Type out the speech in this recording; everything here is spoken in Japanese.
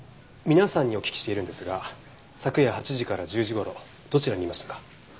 皆さんにお聞きしているんですが昨夜８時から１０時頃どちらにいましたか？